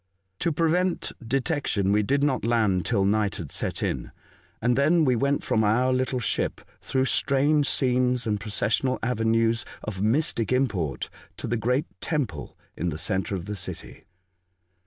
To prevent detection, we did not land till night had set in, and then we went from our little ship through strange scenes and proces sional avenues of mystic import to the great temple in the centre of the city.